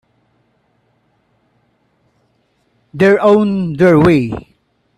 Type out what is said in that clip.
They're on their way.